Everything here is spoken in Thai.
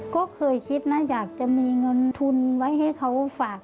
ก็เคยคิดนะอยากจะมีเงินทุนไว้ให้เขาฝาก